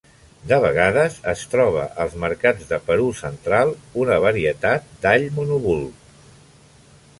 De vegades, es troba als mercats de Perú central una varietat d"all monobulb